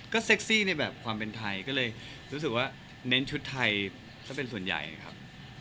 ก็เซ็กซี่ในแบบความเป็นไทยก็เลยรู้สึกว่าเน้นชุดไทยซะเป็นส่วนใหญ่ครับ